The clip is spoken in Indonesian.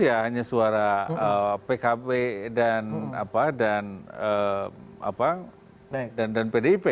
ya hanya suara pkb dan pdip